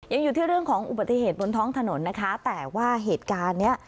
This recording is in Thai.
ยังอยู่ที่เรื่องของอุบัติเหตุบนท้องถนนนะคะแต่ว่าเหตุการณ์เนี้ย